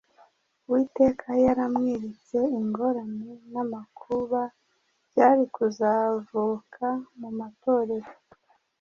Uwiteka yari yaramweretse ingorane n’amakuba byari kuzavuka mu matorero,